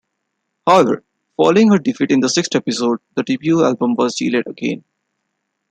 However, following her defeat in the sixth episode, the debut album was delayed again.